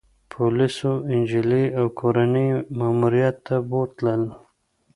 پولیسو انجلۍ او کورنۍ يې ماموریت ته بوتلل